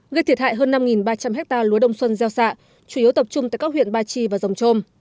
gây thiệt hại hơn năm ba trăm linh hectare lúa đông xuân gieo xạ chủ yếu tập trung tại các huyện ba chi và rồng trôm